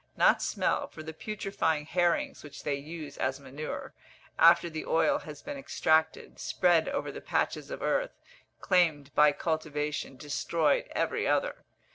not smell, for the putrefying herrings, which they use as manure, after the oil has been extracted, spread over the patches of earth, claimed by cultivation, destroyed every other.